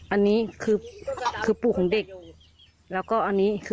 อันนี้คือคือปู่ของเด็กแล้วก็อันนี้คือ